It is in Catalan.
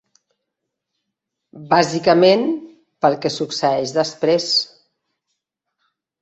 Bàsicament pel que succeeix després.